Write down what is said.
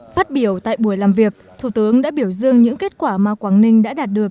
phát biểu tại buổi làm việc thủ tướng đã biểu dương những kết quả mà quảng ninh đã đạt được